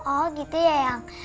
oh gitu ya yang